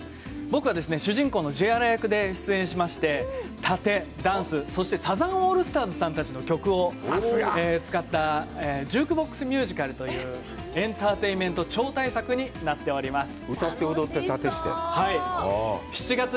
僕は、主人公のジアラ役で出演し殺陣、ダンス、歌サザンオールスターズさんたちの曲を使ったジュークボックス・ミュージカルというエンターテインメント超大作になっています。